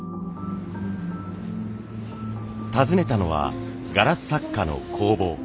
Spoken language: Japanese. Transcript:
訪ねたのはガラス作家の工房。